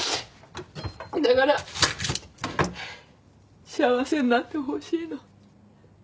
だから幸せになってほしいの。